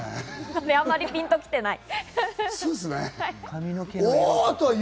あんまりピンときてない？